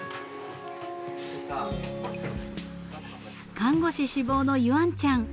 ［看護師志望の柚杏ちゃん。